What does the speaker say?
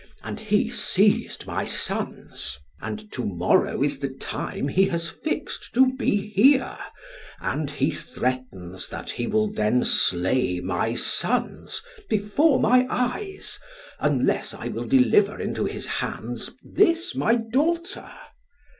And he seized my sons. And to morrow is the time he has fixed to be here, and he threatens that he will then slay my sons before my eyes, unless I will deliver into his hands this my daughter.